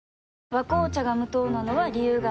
「和紅茶」が無糖なのは、理由があるんよ。